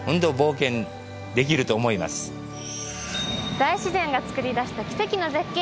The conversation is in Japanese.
大自然がつくり出した奇跡の絶景。